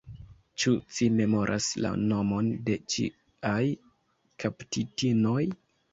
Ĉu ci memoras la nomon de ciaj kaptitinoj?